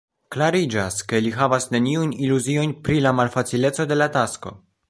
Klariĝas, ke li havas neniujn iluziojn pri la malfacileco de la tasko.